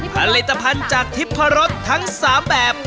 ผลิตภัณฑ์จากทิพรสทั้ง๓แบบ